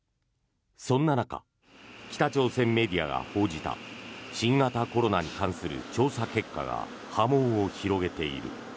そんな中北朝鮮メディアが報じた新型コロナに関する調査結果が波紋を広げている。